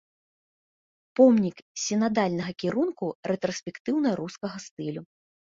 Помнік сінадальнага кірунку рэтраспектыўна-рускага стылю.